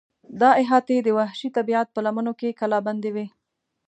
دا احاطې د وحشي طبیعت په لمنو کې کلابندې وې.